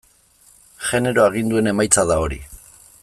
Genero aginduen emaitza da hori.